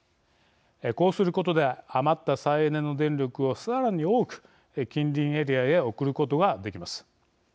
こうすることで余った再エネの電力をさらに多く近隣エリアへ送ることができます。